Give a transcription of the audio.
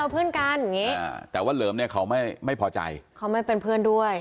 เพื่อนกันอย่างนี้แต่ว่าเหลิมเนี่ยเขาไม่พอใจเขาไม่เป็นเพื่อนด้วย